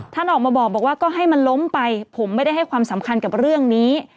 ท่านออกมาบอกว่าก็ให้มันล้มไปผมไม่ได้ให้ความสำคัญกับเรื่องนี้